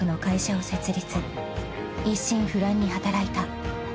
［一心不乱に働いた］